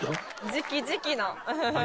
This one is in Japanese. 「次期次期の」